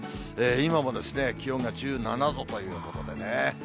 今も気温が１７度ということでね。